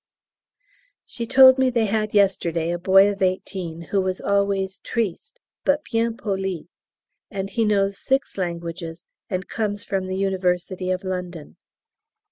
She told me they had yesterday a boy of eighteen who was always triste, but bien poli, and he knows six languages and comes from the University of London.